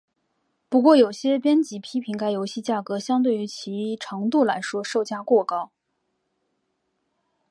不过有些编辑批评该游戏价格相对于其游戏长度来说售价过高。